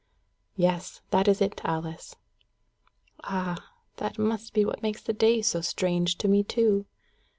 "Yes, that is it, Alice." "Ah! that must be what makes the day so strange to me too."